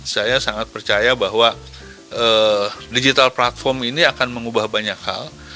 saya sangat percaya bahwa digital platform ini akan mengubah banyak hal